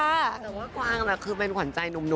แต่ว่ากวางคือเป็นขวัญใจหนุ่ม